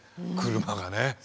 車がね。